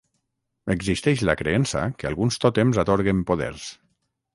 Existeix la creença que alguns tòtems atorguen poders.